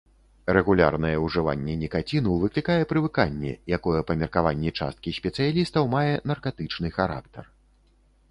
Рэгулярнае ўжыванне нікаціну выклікае прывыканне, якое па меркаванні часткі спецыялістаў, мае наркатычны характар.